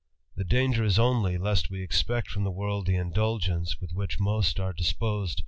The danger is only, lest expect from the world the indulgence with which most . THE RAMBLER.